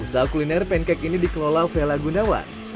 usaha kuliner pancake ini dikelola vela gunawan